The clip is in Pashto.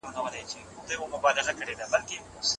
که ښوونکی نرم چلند وکړي، زده کوونکی نه وېرېږي.